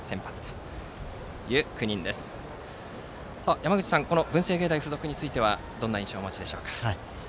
山口さん、文星芸大付属にはどんな印象をお持ちですか。